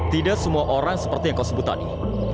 tidak semua orang seperti yang kau sebut tadi